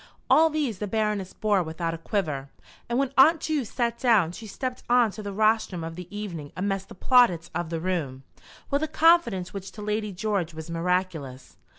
All these the Baroness bore without a quiver, and when Aunt Ju sat down she stepped on to the rostrum of the evening amidst the plaudits of the room, with a confidence which to Lady George was miraculous.